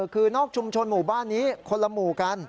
คือนอกชุมชนหมู่บ้านนี้คนละหมู่กัน